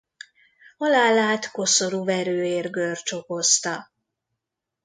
Halálát koszorúverőér-görcs okozta.